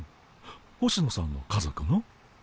星野さんの家族の？